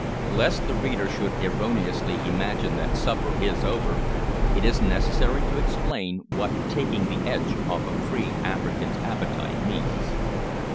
Lest the reader should erroneously imagine that supper is over, it is necessary here to explain what taking the edge off a free African's appetite means.